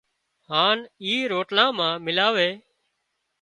هانَ اِي روٽلا مان ملائي